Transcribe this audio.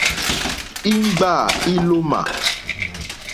Íŋɡbâ ílómà.